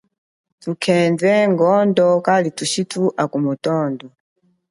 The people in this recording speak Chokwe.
Kakhendwe, ngondo thushitu akumitondo.